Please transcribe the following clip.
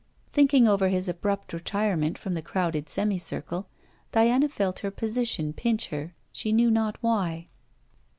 Thinking over his abrupt retirement from the crowded semicircle, Diana felt her position pinch her, she knew not why.